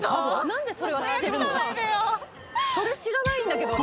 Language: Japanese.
それ知らないんだけど私。